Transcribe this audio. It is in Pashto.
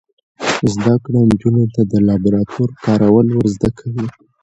زده کړه نجونو ته د لابراتوار کارول ور زده کوي.